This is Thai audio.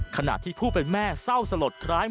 ขณะที่ผู้เป็นแม่เศร้าสลดคล้าย